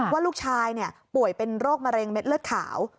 ว่าลูกชายป่วยเป็นโรคมะเร็งเม็ดเลือดขาว